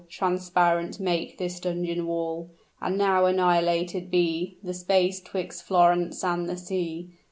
Transparent make this dungeon wall; And now annihilated be The space 'twixt Florence and the sea!